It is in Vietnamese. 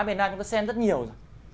bên ai chúng ta xem rất nhiều rồi